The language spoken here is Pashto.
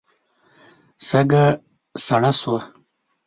شګه سړه شوه.